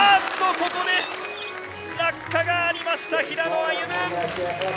ここで落下がありました平野歩夢。